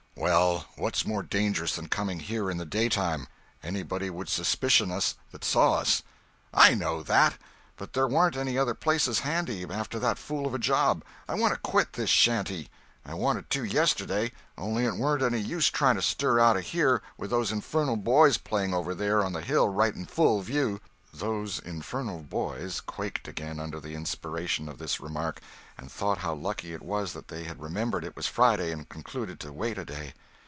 "Well, what's more dangerous than coming here in the daytime!—anybody would suspicion us that saw us." "I know that. But there warn't any other place as handy after that fool of a job. I want to quit this shanty. I wanted to yesterday, only it warn't any use trying to stir out of here, with those infernal boys playing over there on the hill right in full view." "Those infernal boys" quaked again under the inspiration of this remark, and thought how lucky it was that they had remembered it was Friday and concluded to wait a day.